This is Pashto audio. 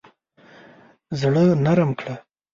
زړه نرم کړه.